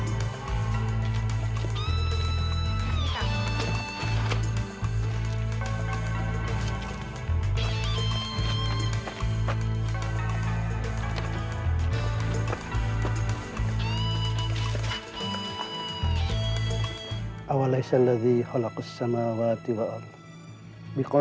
dan tidak sahaper saluran tersebut